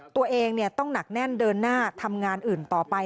ตัวเองต้องหนักแน่นเดินหน้าทำงานอื่นต่อไป